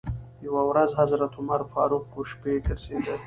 یوه ورځ حضرت عمر فاروق و شپې ګرځېده.